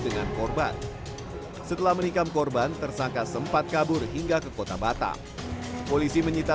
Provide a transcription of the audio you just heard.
dengan korban setelah menikam korban tersangka sempat kabur hingga ke kota batam polisi menyita